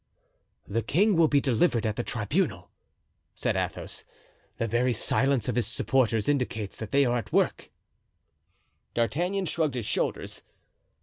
"The king will be delivered at the tribunal," said Athos; "the very silence of his supporters indicates that they are at work." D'Artagnan shrugged his shoulders.